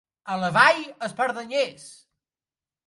A la Vall, espardenyers.